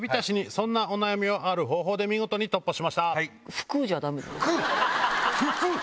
そんなお悩みをある方法で見事に突破しました。